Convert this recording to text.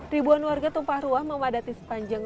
ribuan warga tumpah ruah memadati sepanjang